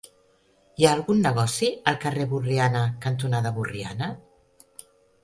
Hi ha algun negoci al carrer Borriana cantonada Borriana?